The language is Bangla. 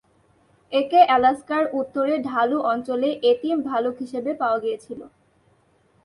একে আলাস্কার উত্তরে ঢালু অঞ্চলে এতিম ভালুক হিসেবে পাওয়া গিয়েছিল।